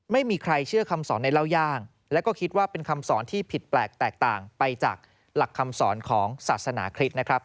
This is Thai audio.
ไม่มีใครเชื่อคำสอนในเล่าย่างแล้วก็คิดว่าเป็นคำสอนที่ผิดแปลกแตกต่างไปจากหลักคำสอนของศาสนาคริสต์นะครับ